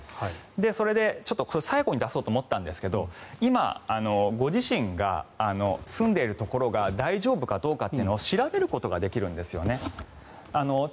それで、最後に出そうと思ったんですが今、ご自身が住んでいるところが大丈夫かどうかというのを調べることができるんですよね。